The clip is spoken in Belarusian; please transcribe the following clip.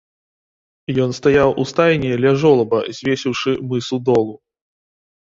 Ён стаяў у стайні ля жолаба, звесіўшы мысу долу.